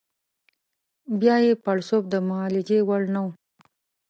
بیا یې پړسوب د معالجې وړ نه وو.